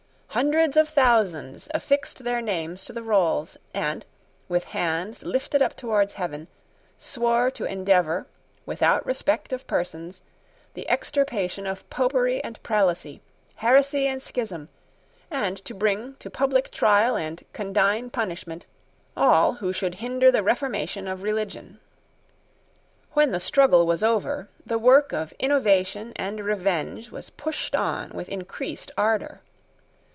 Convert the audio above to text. Hundreds of thousands affixed their names to the rolls, and, with hands lifted up towards heaven, swore to endeavour, without respect of persons, the extirpation of Popery and Prelacy, heresy and schism, and to bring to public trial and condign punishment all who should hinder the reformation of religion. When the struggle was over, the work of innovation and revenge was pushed on with increased ardour.